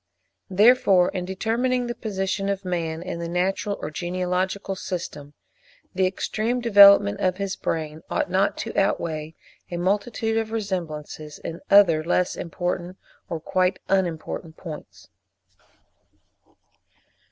Therefore in determining the position of man in the natural or genealogical system, the extreme development of his brain ought not to outweigh a multitude of resemblances in other less important or quite unimportant points.